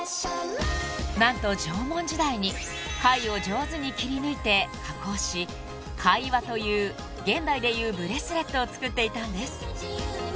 ［何と縄文時代に貝を上手に切り抜いて加工し貝輪という現代でいうブレスレットを作っていたんです］